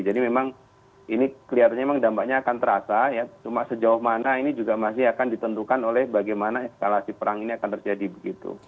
memang ini kelihatannya memang dampaknya akan terasa ya cuma sejauh mana ini juga masih akan ditentukan oleh bagaimana eskalasi perang ini akan terjadi begitu